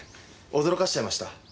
驚かせちゃいました？